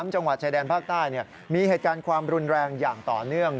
จังหวัดชายแดนภาคใต้มีเหตุการณ์ความรุนแรงอย่างต่อเนื่อง